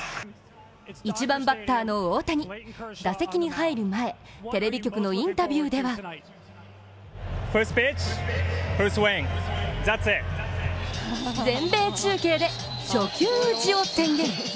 １番バッターの大谷、打席に入る前、テレビ局のインタビューでは全米中継で初球打ちを宣言。